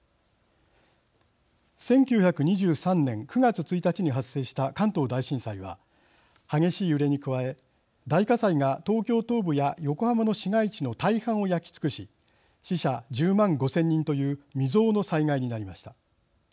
１９２３年９月１日に発生した関東大震災は激しい揺れに加え大火災が東京東部や横浜の市街地の大半を焼き尽くし死者１０万５０００人という未曽有の災害になりました。